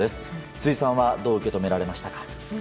辻さんはどう受け止められましたか？